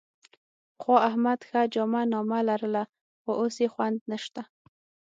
پخوا احمد ښه جامه نامه لرله، خو اوس یې خوند نشته.